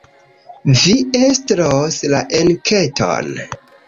Vi estros la enketon.